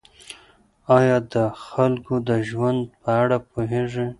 آیا د خلکو د ژوند په اړه پوهېږئ؟